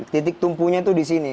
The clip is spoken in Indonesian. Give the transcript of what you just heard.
titik tumpunya itu di sini